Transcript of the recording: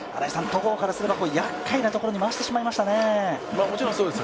戸郷からすれば、やっかいなところに回してしまいましたね。